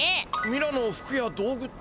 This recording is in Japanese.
ミラの服や道具って。